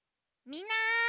みんな！